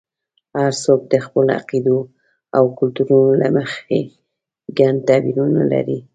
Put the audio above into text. هر څوک د خپلو عقیدو او کلتورونو له مخې ګڼ تعبیرونه لري.